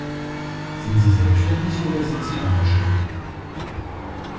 Sind Sie selbstständig oder sind Sie angestellt?